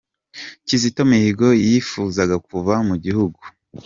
Kizito Mihigo yifuzaga kuva mu gihugu